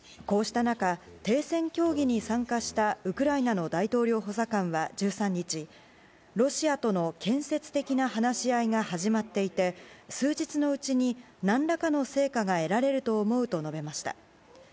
こうした中、停戦協議に参加したウクライナの大統領補佐官は１３日ロシアとの建設的な話し合いが始まっていて数日のうちに何らかの成果が得られると思うと述べました。